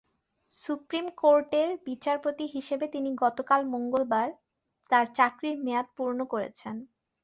Supreme কোর্টের বিচারপতি হিসেবে তিনি গতকাল মঙ্গলবার তাঁর চাকরির মেয়াদ পূর্ণ করেছেন।